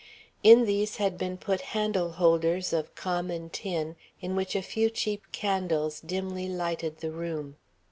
In these had been put handle holders of common tin, in which a few cheap candles dimly lighted the room.